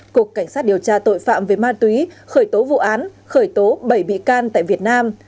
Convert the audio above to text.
cục cảnh sát điều tra tội phạm về ma túy khởi tố vụ án khởi tố bảy bị can tại việt nam